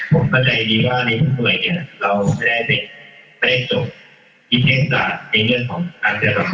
ผมเข้าใจดีว่านี้ทุกวันไหวเนี่ยเราไม่ได้ได้สิ่งที่เช่นต่างจากในเรื่องของการเป็นสำคัญ